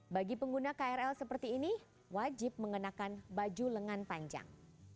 bagi pengguna krl seperti ini wajib mengenakan baju lengan panjang